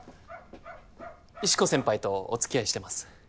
石子先輩とおつきあいしてます